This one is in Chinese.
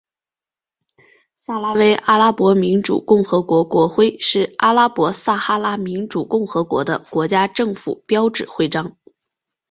撒拉威阿拉伯民主共和国国徽是阿拉伯撒哈拉民主共和国的国家政府标志徽章。